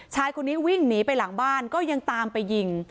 ชายคนนี้วิ่งหนีไปหลังบ้านก็ยังตามไปยิง